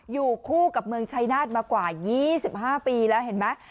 อยู่คู่กับเมืองชายนาฏมากว่า๒๕ปีแล้วเห็นไหม